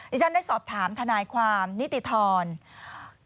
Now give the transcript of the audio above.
ที่ฉันได้สอบถามทนายความนิติธร